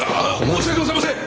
申し訳ございません！